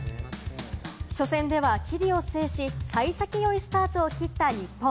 初戦ではチリを制し、幸先良いスタートを切った日本。